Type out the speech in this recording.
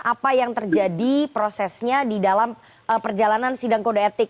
apa yang terjadi prosesnya di dalam perjalanan sidang kode etik